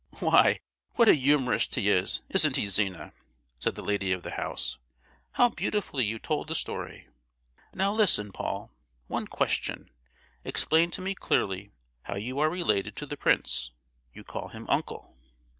"Why, what a humourist he is, isn't he, Zina?" said the lady of the house. "How beautifully you told the story! Now, listen, Paul: one question; explain to me clearly how you are related to the prince; you call him uncle!"